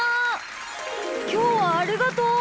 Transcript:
きょうはありがとう！